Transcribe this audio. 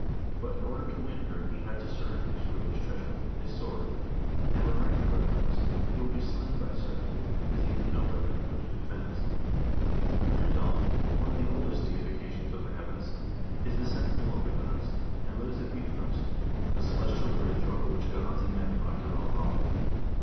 THE VIKING PERIOD 105 in order to win her he had to surrender his greatest treasure, his sword, and when llagnarok comes, he will be slain by Surt, because he has no weapon with which to defend himself. Heimdall, one of the oldest deifications of the heavens, is the sen tinel of the gods, and lives at Bifrost,1 the celestial bridge over which gods and men ride to Valhal.